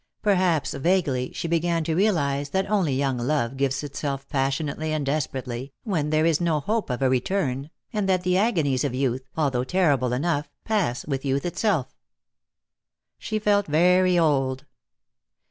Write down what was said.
Perhaps, vaguely, she began to realize that only young love gives itself passionately and desperately, when there is no hope of a return, and that the agonies of youth, although terrible enough, pass with youth itself. She felt very old.